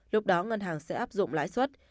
lúc đó ngân hàng sẽ áp dụng lãi suất